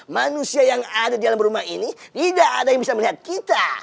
manusia yang ada di dalam rumah ini tidak ada yang bisa melihat kita